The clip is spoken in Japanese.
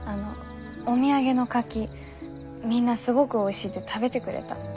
お土産のカキみんなすごくおいしいって食べてくれた。